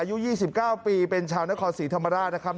อายุยี่สิบเก้าปีเป็นชาวนครสีธรรมดานะครับ